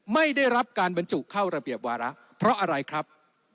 ไม่ได้รับการบรรจุเข้าระเบียบวาระเพราะอะไรครับ